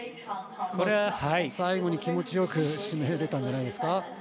最後に気持ちよく締められたんじゃないですか。